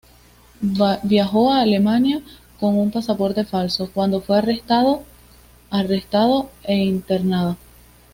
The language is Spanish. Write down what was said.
Viajó a Alemania con un pasaporte falso, cuando fue arrestado arrestado e internado.